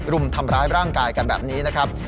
รุมทำร้ายร่างกายกันแบบนี้นะครับ